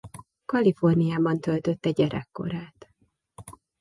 Kaliforniában töltötte gyerekkorát.